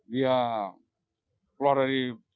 dia keluar dari bandara